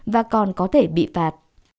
và còn có thể bị phạt